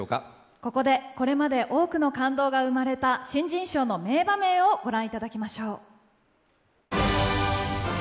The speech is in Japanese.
ここで、これまで多くの感動が生まれた新人賞の名場面をご覧いただきましょう。